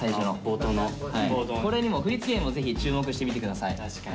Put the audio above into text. これにも振り付けにもぜひ注目してみて下さい。